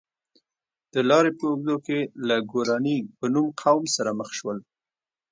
د لارې په اوږدو کې له ګوراني په نوم قوم سره مخ شول.